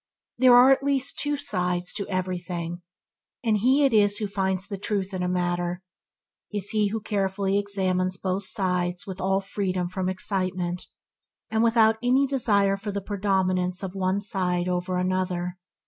There are at least two sides to everything, and he it is who finds the truth in a matter who carefully examines both sides with all freedom from excitement, and without any desire for the predominance of one side over another.